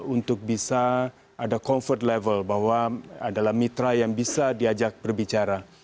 untuk bisa ada comfort level bahwa adalah mitra yang bisa diajak berbicara